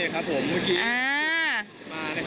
ครับผมเมื่อกี้